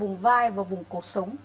vùng vai và vùng cổ sống